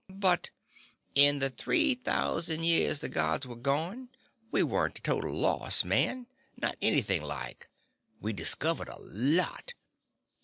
"But " "In the three thousand years the Gods were gone, we weren't a total loss, man. Not anything like. We discovered a lot.